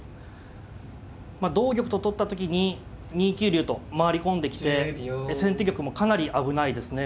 同玉と取った時に２九竜と回り込んできて先手玉もかなり危ないですね。